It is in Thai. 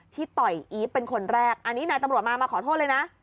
ต่อยอีฟเป็นคนแรกอันนี้นายตำรวจมามาขอโทษเลยนะ